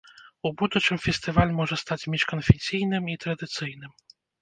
У будучым фестываль можа стаць міжканфесійным і традыцыйным.